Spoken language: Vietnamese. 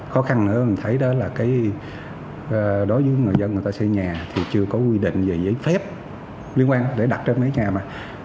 khó khăn nữa mình thấy đó là đối với người dân xây nhà thì chưa có quy định về giấy phép liên quan để đặt trên mấy nhà mà